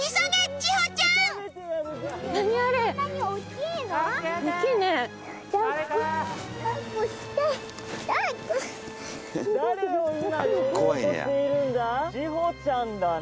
千穂ちゃんだな。